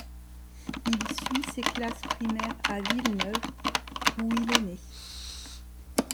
Il suit ses classes primaires à Villeneuve, où il est né.